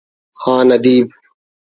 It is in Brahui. آن ادیب